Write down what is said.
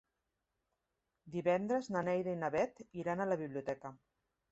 Divendres na Neida i na Bet iran a la biblioteca.